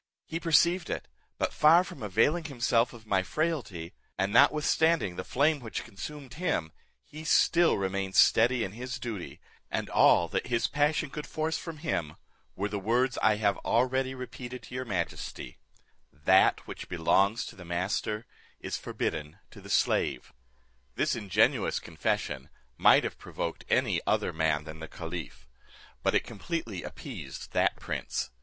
He perceived it; but far from availing himself of my frailty, and notwithstanding the flame which consumed him, he still remained steady in his duty, and all that his passion could force from him were the words I have already repeated to your majesty, 'That which belongs to the master is forbidden to the slave.'" This ingenuous confession might have provoked any other man than the caliph; but it completely appeased that prince.